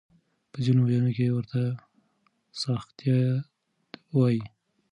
په ځينو ځايونو کې ورته ساختيات وايي.